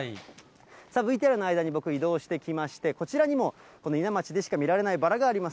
ＶＴＲの間に、僕、移動してきまして、こちらにも、この伊奈町でしか見られないバラがあります。